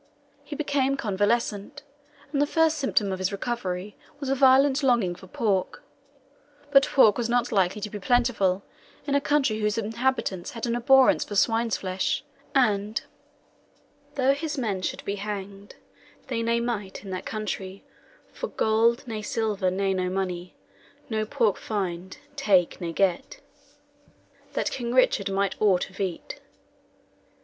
He became convalescent, and the first symptom of his recovery was a violent longing for pork. But pork was not likely to be plentiful in a country whose inhabitants had an abhorrence for swine's flesh; and "Though his men should be hanged, They ne might, in that countrey, For gold, ne silver, ne no money, No pork find, take, ne get, That King Richard might aught of eat.